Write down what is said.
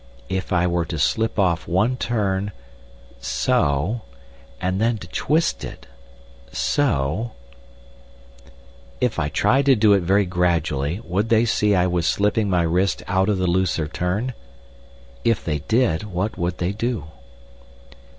If I were to slip off one turn so, and then to twist it so ... If I tried to do it very gradually, would they see I was slipping my wrist out of the looser turn? If they did, what would they do?